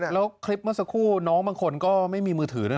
แล้วคลิปเมื่อสักครู่น้องบางคนก็ไม่มีมือถือด้วย